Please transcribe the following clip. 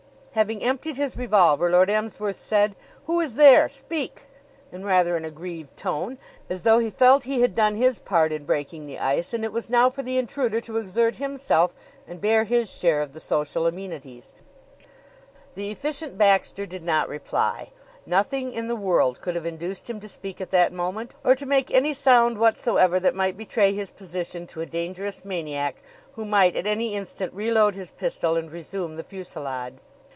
Having emptied his revolver, Lord Emsworth said, "Who is there? Speak!" in rather an aggrieved tone, as though he felt he had done his part in breaking the ice, and it was now for the intruder to exert himself and bear his share of the social amenities. The Efficient Baxter did not reply. Nothing in the world could have induced him to speak at that moment, or to make any sound whatsoever that might betray his position to a dangerous maniac who might at any instant reload his pistol and resume the fusillade.